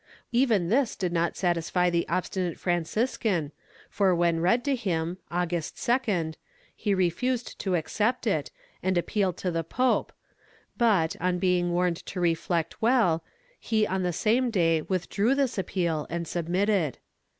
Even this did not satisfy the obstinate Franciscan for when read to him, August 2d, he refused to accept it and appealed to the pope, but, on being warned to reflect well, he on the same day withdrew this appeal and submitted.